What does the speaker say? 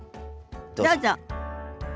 どうぞ。